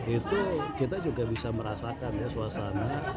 itu kita juga bisa merasakan ya suasana